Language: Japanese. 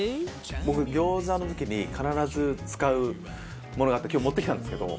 僕餃子の時に必ず使うものがあって今日持ってきたんですけど。